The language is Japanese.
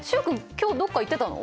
今日どっか行ってたの？